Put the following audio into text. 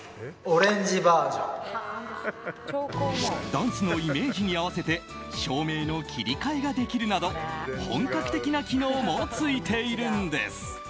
ダンスのイメージに合わせて照明の切り替えができるなど本格的な機能も付いているんです。